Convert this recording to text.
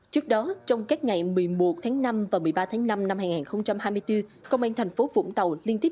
trước đó trong các ngày một mươi một tháng năm và một mươi ba tháng năm năm hai nghìn hai mươi bốn công an thành phố vũng tàu liên tiếp